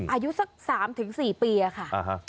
อายุสัก๓ถึง๔ปีอะค่ะ